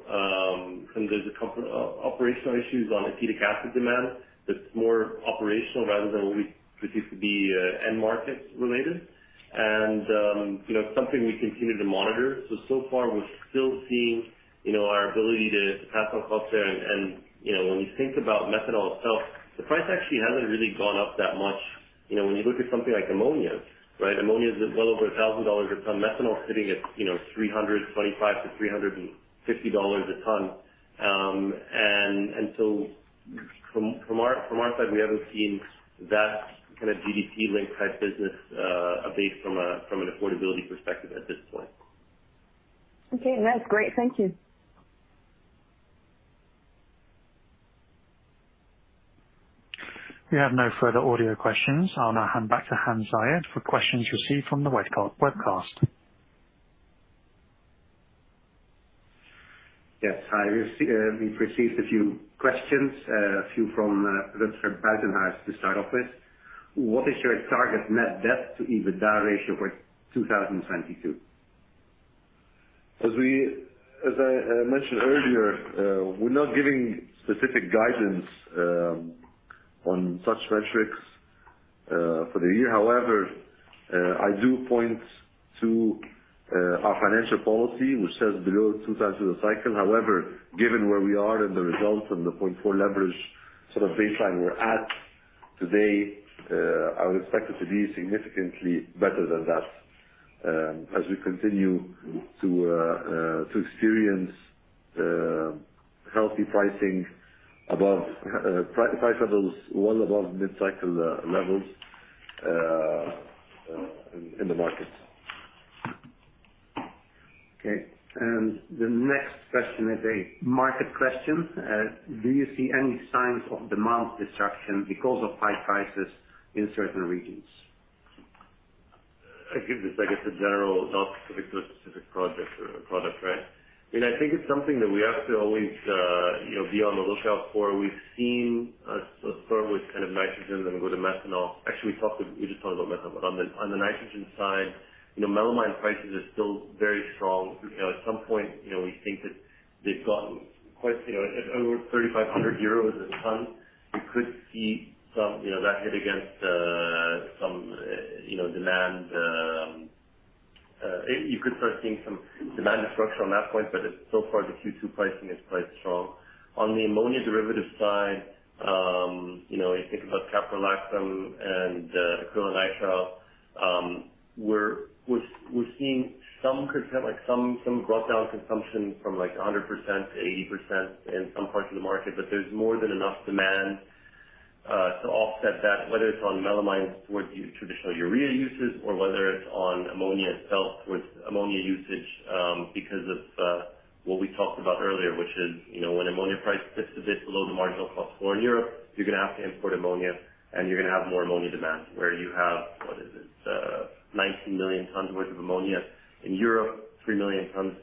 issues on acetic acid demand that's more operational rather than what we perceive to be end-market related. You know, something we continue to monitor. So far we're still seeing you know, our ability to pass on cost there. You know, when you think about methanol itself, the price actually hasn't really gone up that much. You know, when you look at something like ammonia, right? Ammonia is well over $1,000 a ton. Methanol is sitting at $325-$350 a ton. From our side, we haven't seen that kind of GDP-linked type business abate from an affordability perspective at this point. Okay, that's great. Thank you. We have no further audio questions. I'll now hand back to Hans Zayed for questions received from the webcast. Yes. Hi. We've received a few questions from Lutz at Rosenhaus to start off with. What is your target net debt to EBITDA ratio for 2022? As I mentioned earlier, we're not giving specific guidance on such metrics for the year. However, I do point to our financial policy, which says below 2x through the cycle. However, given where we are in the results and the 0.4 leverage sort of baseline we're at today, I would expect it to be significantly better than that, as we continue to experience healthy pricing above price levels, well above mid-cycle levels in the market. Okay. The next question is a market question. Do you see any signs of demand destruction because of high prices in certain regions? I give this, I guess, a general, not specific to a specific project or product, right? I mean, I think it's something that we have to always, you know, be on the lookout for. We've seen, start with kind of nitrogen then go to methanol. Actually, we just talked about methanol. On the nitrogen side, you know, melamine prices are still very strong. You know, at some point, you know, we think that they've gotten quite, you know, at over 3,500 euros a ton. You could see some, you know, that hit against, some, you know, demand. You could start seeing some demand destruction on that point, but so far the Q2 pricing is quite strong. On the ammonia derivative side, you know, you think about caprolactam and acrylonitrile, we're seeing some kind of like some brought down consumption from like 100% to 80% in some parts of the market. There's more than enough demand to offset that, whether it's on melamine with traditional urea uses or whether it's on ammonia itself with ammonia usage, because of what we talked about earlier, which is, you know, when ammonia price dips a bit below the marginal cost for Europe, you're gonna have to import ammonia, and you're gonna have more ammonia demand. Where you have, what is it? 19 million tons worth of ammonia in Europe, 3 million tons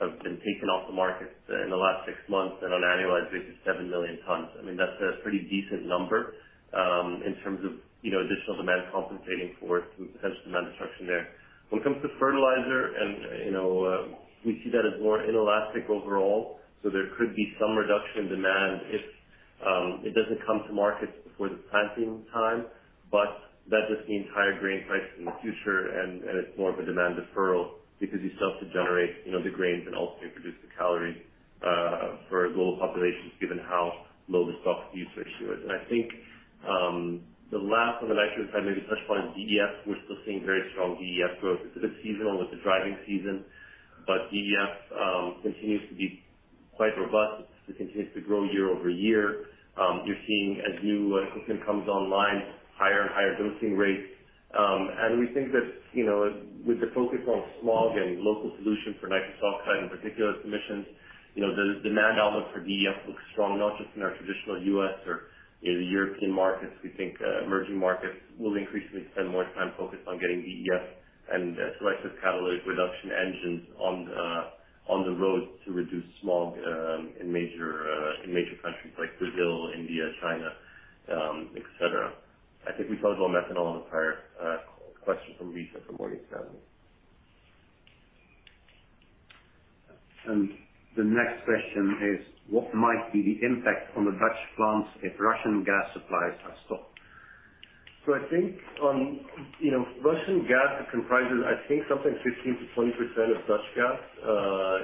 have been taken off the market in the last six months. On annualized basis, 7 million tons. I mean, that's a pretty decent number, in terms of, you know, additional demand compensating for potential demand destruction there. When it comes to fertilizer and, you know, we see that as more inelastic overall, so there could be some reduction in demand if it doesn't come to market before the planting time. But that just means higher grain prices in the future, and it's more of a demand deferral because you still have to generate, you know, the grains and ultimately produce the calories, for global populations given how low the stock-to-use ratio is. I think the last on the nitrogen side, maybe touch upon DEF. We're still seeing very strong DEF growth. It's a bit seasonal with the driving season, but DEF continues to be quite robust. It continues to grow year over year. You're seeing as new equipment comes online, higher and higher dosing rates. We think that, you know, with the focus on smog and local solutions for NOx in particular emissions, you know, the demand outlook for DEF looks strong, not just in our traditional U.S. or, you know, the European markets. We think emerging markets will increasingly spend more time focused on getting DEF and selective catalytic reduction engines on the roads to reduce smog in major countries like Brazil, India, China, et cetera. I think we talked about methanol on the prior question from Lisa from Morgan Stanley. The next question is, what might be the impact on the Dutch plants if Russian gas supplies are stopped? I think on, you know, Russian gas comprises I think something 15%-20% of Dutch gas,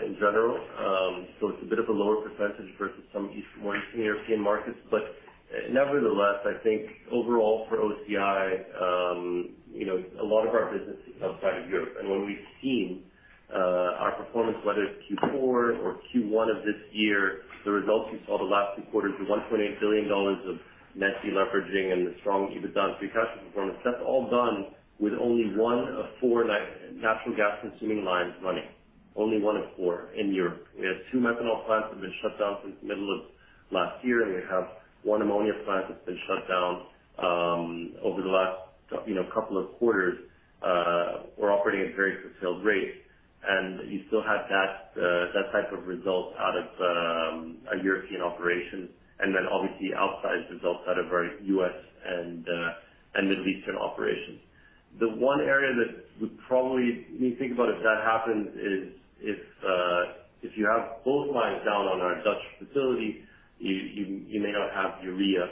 in general. It's a bit of a lower percentage versus some East, more Eastern European markets. Nevertheless, I think overall for OCI, you know, a lot of our business is outside of Europe. When we've seen, our performance, whether it's Q4 or Q1 of this year, the results you saw the last two quarters, the $1.8 billion of net deleveraging and the strong EBITDA and free cash flow performance, that's all done with only one of four natural gas consuming lines running. Only one of four in Europe. We have two methanol plants that have been shut down since middle of last year, and we have one ammonia plant that's been shut down over the last couple of quarters. We're operating at very full utilization rate, and you still have that type of result out of a European operation, and then obviously outsized results out of our US and Middle Eastern operations. The one area that would probably when you think about if that happens is if you have both lines down on our Dutch facility, you may not have urea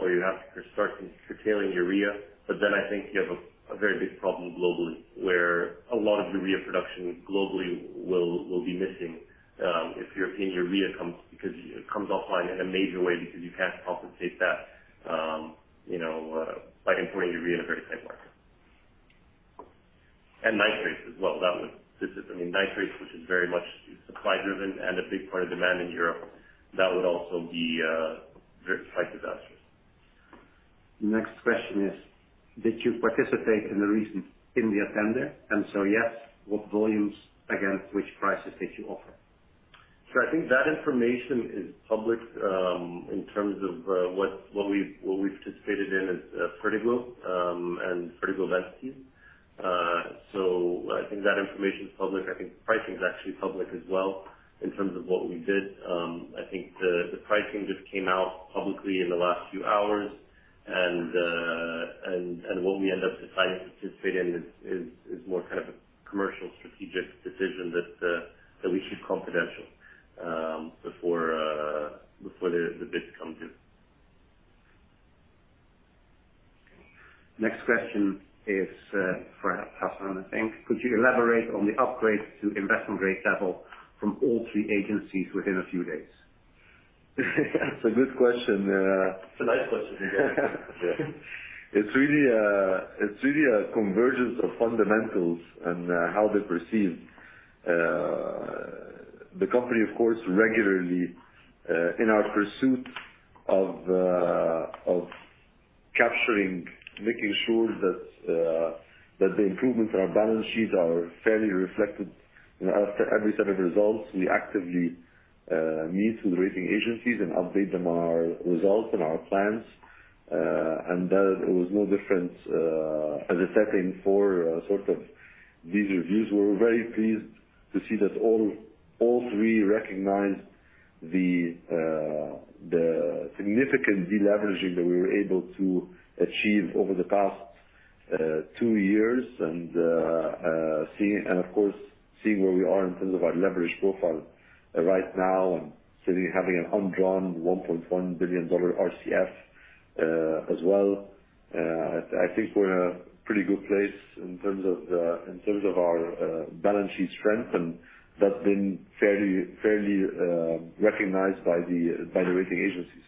or you have to start curtailing urea. I think you have a very big problem globally, where a lot of urea production globally will be missing if European urea comes. because it comes offline in a major way because you can't compensate that, you know, by importing urea in a very tight market. Nitrates as well. This is, I mean, nitrates, which is very much supply-driven and a big part of demand in Europe, that would also be very quite disastrous. Next question is, did you participate in the recent tender? Yes, what volumes against which prices did you offer? I think that information is public in terms of what we've participated in as Fertiglobe. I think that information is public. I think pricing is actually public as well in terms of what we did. I think the pricing just came out publicly in the last few hours. What we end up deciding to participate in is more kind of a commercial strategic decision that we keep confidential before the bids come due. Next question is for Hassan, I think. Could you elaborate on the upgrade to investment grade level from all three agencies within a few days? It's a good question. It's a nice question to get. It's really a convergence of fundamentals and how they perceive the company. Of course, regularly, in our pursuit of capturing, making sure that the improvements in our balance sheets are fairly reflected. You know, after every set of results, we actively meet with the rating agencies and update them on our results and our plans. That it was no different, as a setting for sort of these reviews. We're very pleased to see that all three recognize the significant deleveraging that we were able to achieve over the past two years. Of course, seeing where we are in terms of our leverage profile right now and sitting having an undrawn $1.1 billion RCF, as well. I think we're in a pretty good place in terms of our balance sheet strength, and that's been fairly recognized by the rating agencies.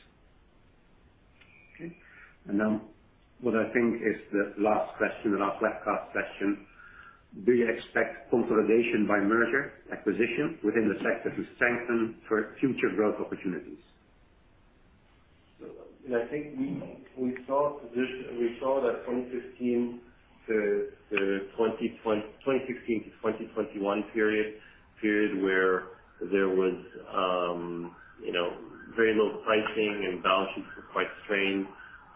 Okay. What I think is the last question in our webcast session. Do you expect consolidation by merger acquisition within the sector to strengthen for future growth opportunities? I think we saw that from 15 to the 2016 to 2021 period where there was very low pricing and balance sheets were quite strained.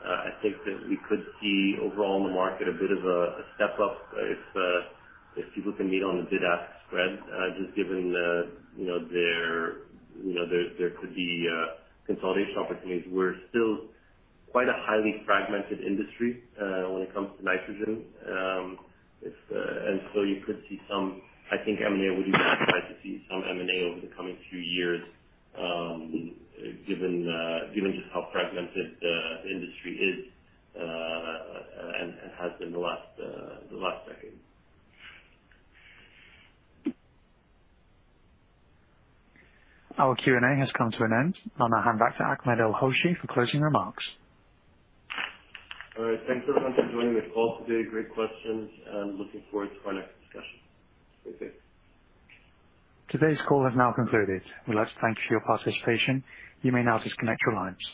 I think that we could see overall in the market a bit of a step up if people can meet on the bid-ask spread. Just given that there could be consolidation opportunities. We're still quite a highly fragmented industry when it comes to nitrogen. You could see some. I think M&A would be satisfied to see some M&A over the coming few years given just how fragmented the industry is and has been the last decade. Our Q&A has come to an end. I'll now hand back to Ahmed El-Hoshy for closing remarks. All right. Thanks, everyone, for joining the call today. Great questions, and looking forward to our next discussion. Take care. Today's call has now concluded. We'd like to thank you for your participation. You may now disconnect your lines.